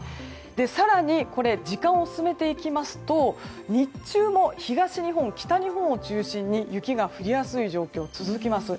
更に、時間を進めていきますと日中も東日本、北日本を中心に雪が降りやすい状況続きます。